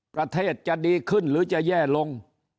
ประเทศจะดีขึ้นหรือจะแย่ลง